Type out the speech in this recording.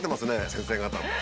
先生方も。